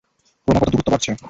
ক্রমাগত দূরত্ব বাড়ছে।